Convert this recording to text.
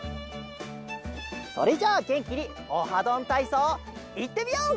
それじゃあげんきに「オハどんたいそう」いってみよう！